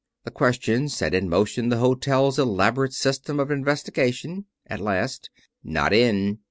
The question set in motion the hotel's elaborate system of investigation. At last: "Not in."